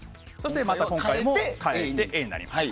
今回も変えてＡになりました。